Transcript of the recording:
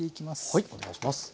はいお願いします。